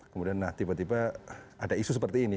kemudian nah tiba tiba ada isu seperti ini